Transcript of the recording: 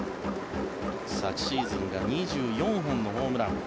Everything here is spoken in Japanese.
昨シーズンが２４本のホームラン。